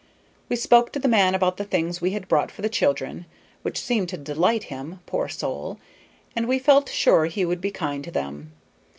We spoke to the man about the things we had brought for the children, which seemed to delight him, poor soul, and we felt sure he would be kind to them.